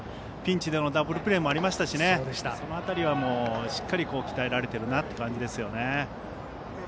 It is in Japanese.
ピンチでのダブルプレーもありましたしその辺りはしっかり鍛えられている感じですよね。